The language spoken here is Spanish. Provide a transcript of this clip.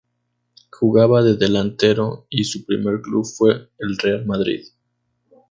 Jugaba de delantero y su primer club fue el Real Madrid.